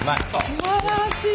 すばらしい。